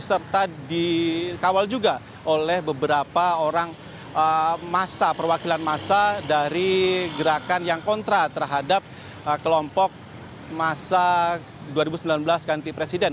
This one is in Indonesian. serta dikawal juga oleh beberapa orang masa perwakilan masa dari gerakan yang kontra terhadap kelompok masa dua ribu sembilan belas ganti presiden